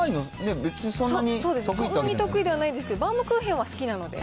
そんなに得意ではないですけど、バウムクーヘンは好きなので。